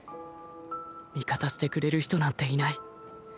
味方してくれる人なんていない。